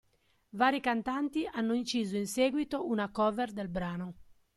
Vari cantanti hanno inciso in seguito una cover del brano.